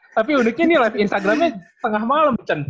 tapi udah kini live instagramnya tengah malam cen